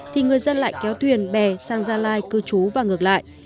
thì người dân lại kéo thuyền bè sang gia lai cư trú và ngược lại